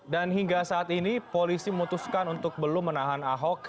hingga saat ini polisi memutuskan untuk belum menahan ahok